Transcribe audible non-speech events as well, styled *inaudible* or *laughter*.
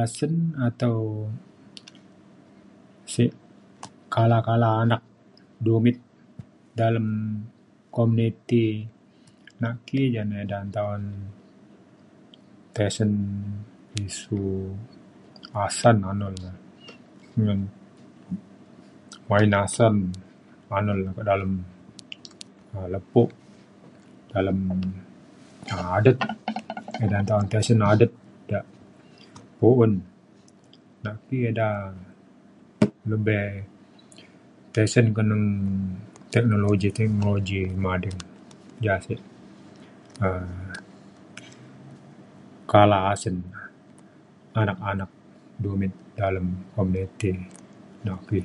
asen atau sik kala kala anak dumit dalem komuniti naki jane eda nta un tesen isu asan anun le ngan oyan asan anun le ke dalem um lepo dalem adet *noise* eda nta un tesen adet ja' pu'un. naki eda lebih tesen keneng teknologi teknologi mading. ja sik um kalah asen anak anak dumit dalem komuniti nak ki.